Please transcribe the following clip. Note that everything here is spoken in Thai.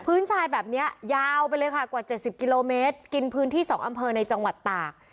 ทรายแบบนี้ยาวไปเลยค่ะกว่า๗๐กิโลเมตรกินพื้นที่๒อำเภอในจังหวัดตาก